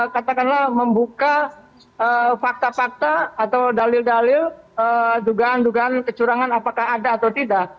katakanlah membuka fakta fakta atau dalil dalil dugaan dugaan kecurangan apakah ada atau tidak